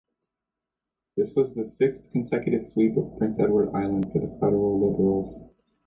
This was the sixth consecutive sweep of Prince Edward Island for the federal Liberals.